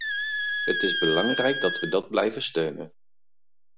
Het is belangrijk dat we dat blijven steunen.